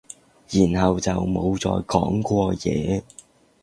然後就冇再講過嘢